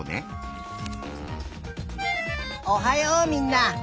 おはようみんな。